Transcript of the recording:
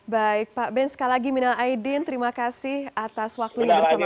baik pak ben sekali lagi minal a'idin terima kasih atas waktu yang bersama kami